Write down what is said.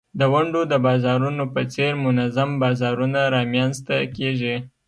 د ونډو د بازارونو په څېر منظم بازارونه رامینځته کیږي.